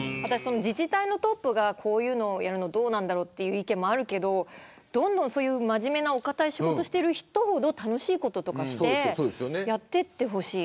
自治体のトップがこういうのをやるのはどうなんだという意見もあるけどどんどん真面目なお堅い仕事している人ほど楽しいこととかしてやっていってほしい。